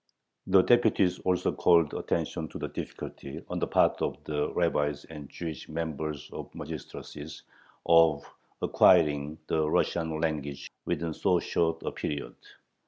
The deputies also called attention to the difficulty, on the part of the rabbis and Jewish members of the magistracies, of acquiring the Russian language within so short a period.